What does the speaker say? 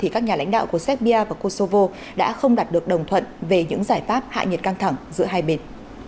các nhà lãnh đạo của serbia và kosovo đã không đạt được đồng thuận về những giải pháp hạ nhiệt căng thẳng giữa hai bên